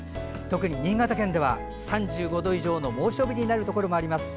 特に新潟県では３５度以上の猛暑日になるところもあります。